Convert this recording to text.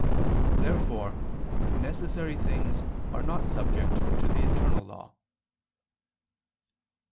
Therefore necessary things are not subject to the eternal law.